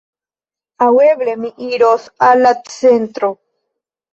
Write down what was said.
Aŭ eble mi iros al la centro.